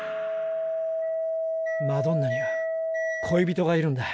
マドンナには恋人がいるんだ。